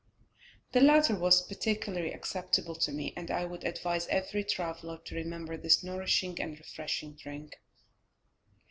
The latter was particularly acceptable to me, and I would advise every traveller to remember this nourishing and refreshing drink.